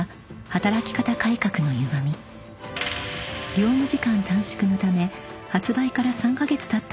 ［業務時間短縮のため発売から３カ月たった